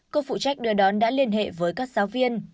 cô phụ trách đưa đón đã liên hệ với các giáo viên